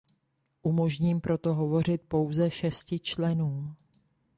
Umožním proto hovořit pouze šesti členům.